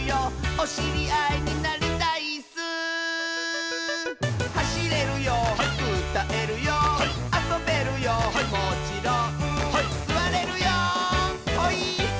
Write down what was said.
「おしりあいになりたいっすー」「はしれるようたえるよあそべるよもちろん」「すわれるよオイーッス！」